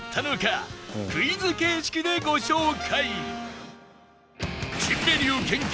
クイズ形式でご紹介